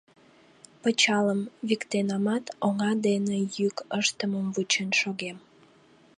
Пычалым виктенамат, оҥа дене йӱк ыштымым вучен шогем.